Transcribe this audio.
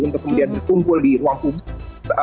untuk kemudian berkumpul di ruang publik